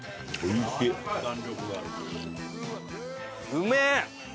うめえ！